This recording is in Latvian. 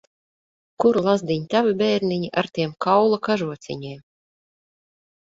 Kur, lazdiņ, tavi bērniņi, ar tiem kaula kažociņiem?